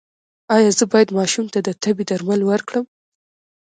ایا زه باید ماشوم ته د تبې درمل ورکړم؟